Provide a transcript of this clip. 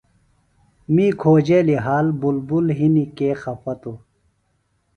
می کھوجیلیۡ حال بُلبُل ہِنیۡ کے خفا توۡ۔